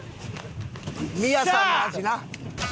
宮さんのアジな。